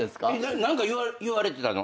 何か言われてたの？